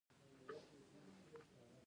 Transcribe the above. فزیک د حقیقت کلي ده.